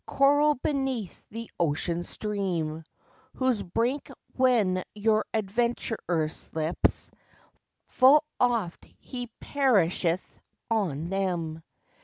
Coral beneath the ocean stream, Whose brink when your adventurer slips, Full oft he perisheth on them.